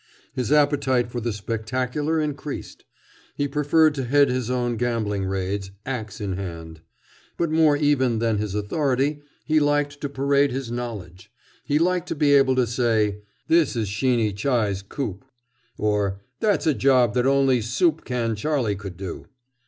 His appetite for the spectacular increased. He preferred to head his own gambling raids, ax in hand. But more even than his authority he liked to parade his knowledge. He liked to be able to say: "This is Sheeny Chi's coup!" or, "That's a job that only Soup Can Charlie could do!"